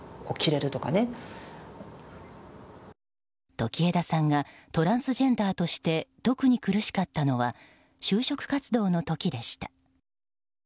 時枝さんがトランスジェンダーとして特に苦しかったのは就職活動の時でした。